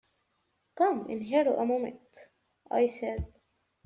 “Come in here a moment,” I said.